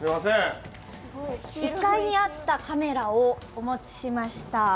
１階にあったカメラをお持ちしました。